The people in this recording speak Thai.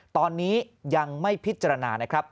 ตอนนี้ยังไม่พิจารณานะครับ